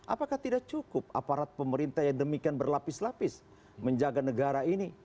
apakah tidak cukup aparat pemerintah yang demikian berlapis lapis menjaga negara ini